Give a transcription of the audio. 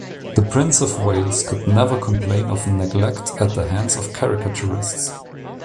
The Prince of Wales could never complain of neglect at the hands of caricaturists.